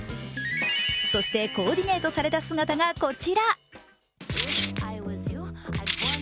そしてコーディネートされた姿がこちら。